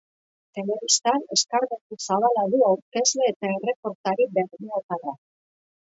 Telebistan eskarmentu zabala du aurkezle eta erreportari bermeotarrak.